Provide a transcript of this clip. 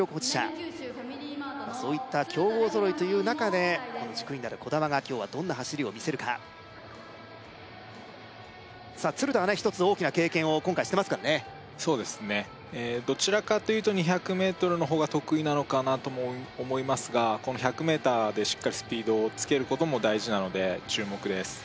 まあそういった強豪揃いという中でこの軸になる兒玉が今日はどんな走りを見せるかさあ鶴田はね一つ大きな経験を今回してますからねそうですねどちらかというと２００ｍの方が得意なのかなとも思いますがこの１００ｍでしっかりスピードをつけることも大事なので注目です